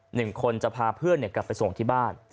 หนึ่งคนจะพาเพื่อนกลับไปส่งที่บ้าน